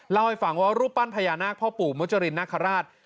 เล่าให้ฟังว่ารูปปั้นพญานาคพ่อปู่มุจรินนาคาราช